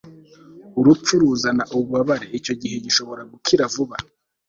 urupfu ruzana ububabare icyo gihe gishobora gukira gusa